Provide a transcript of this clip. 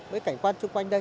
với cảnh quan chung quanh đây